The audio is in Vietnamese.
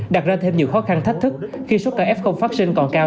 đặt ra thêm nhiều khó khăn thách thức khi số ca f phát sinh còn cao